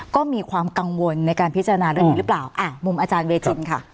ก็มีความกังวลในการพิจารณาเรื่องนี้หรือเปล่าอ่ะมุมอาจารย์เวจินค่ะ